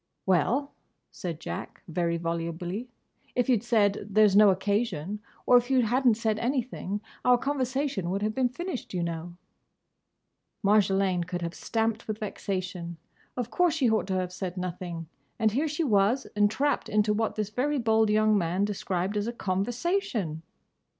"Well," said Jack, very volubly, "if you'd said, 'There's no occasion,' or if you hadn't said anything, our conversation would have been finished, you know." Marjolaine could have stamped with vexation. Of course she ought to have said nothing. And here she was entrapped into what this very bold young man described as a "conversation"!